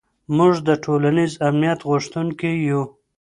موږ د ټولنیز امنیت غوښتونکي یو.